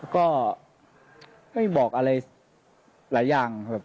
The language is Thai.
ก็ไม่บอกอะไรหลายอย่างครับ